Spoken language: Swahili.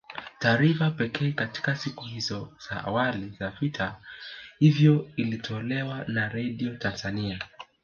Taarifa pekee katika siku hizo za wali za vita hivyo ilitolewa na Redio Tanzania